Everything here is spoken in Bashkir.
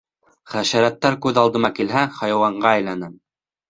Хәшәрәттәр күҙ алдыма килһә, хайуанға әйләнәм.